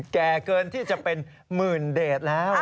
แก่เกินที่จะเป็นหมื่นเดชแล้ว